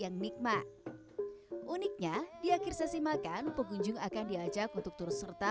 yang nikmat uniknya di akhir sesi makan pengunjung akan diajak untuk turut serta